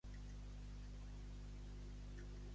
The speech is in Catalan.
Jo emmidone, limite, exhale